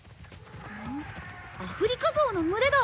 アフリカゾウの群れだ！